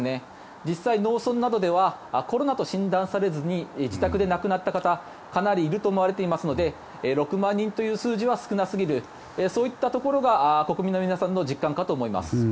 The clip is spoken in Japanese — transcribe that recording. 実際、農村などではコロナと診断されずに自宅で亡くなった方はかなりいると思われていますので６万人という数字は少なすぎるそういったところが国民の皆さんの実感かと思います。